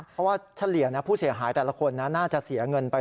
เพราะว่าเฉลี่ยผู้เสียหายแต่ละคนน่าจะเสียเงินไป